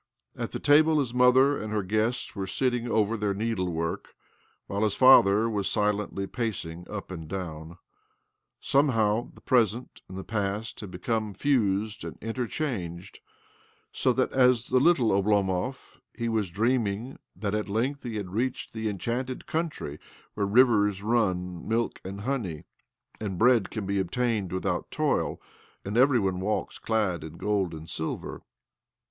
At the table his motl and her guests were sitting oven their need work, while his father was silently paci up and down . Somehow the present and t past had become fused and interchang< so that, as the little Oblomov, he w dreaming that at length he had reached t enchanted country where the rivers run m and honey, and bread can be obtain without toil, and every one walks clad gold and silver.